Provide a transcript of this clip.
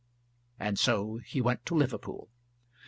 And so he went to Liverpool.